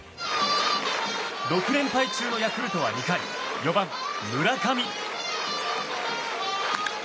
６連敗中のヤクルトは２回４番、村上。